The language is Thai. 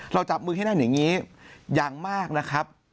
จับมือที่นั่นอย่างนี้อย่างมากนะครับ